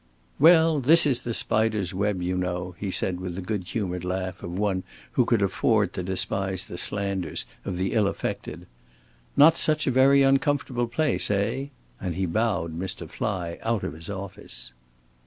"Well, this is the spider's web, you know," he said, with the good humored laugh of one who could afford to despise the slanders of the ill affected. "Not such a very uncomfortable place, eh?" and he bowed Mr. Fly out of his office.